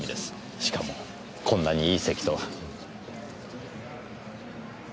しかもこんなにいい席とは。